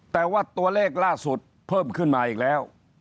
แต่ว่าตัวเลขล่าสุดเพิ่มขึ้นมาอีกแล้ว